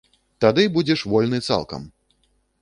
Тады будзеш вольны цалкам!